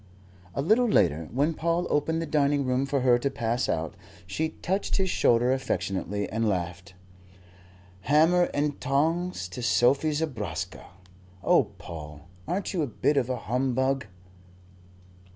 A little later, when Paul opened the dining room for her to pass out, she touched his shoulder affectionately and laughed. "Hammer and tongs to Sophie Zobraska! Oh, Paul, aren't you a bit of a humbug?"